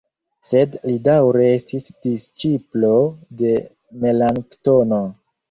Sed li daŭre estis disĉiplo de Melanktono.